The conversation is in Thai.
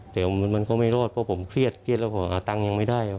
แต่มันก็ไม่รอดเพราะผมเครียดเครียดแล้วก็ตังค์ยังไม่ได้ครับ